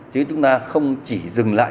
chứ chúng ta không chỉ dừng lại